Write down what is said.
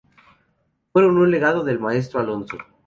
Fueron un legado del maestro Alonso.